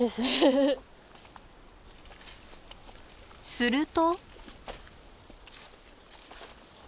すると。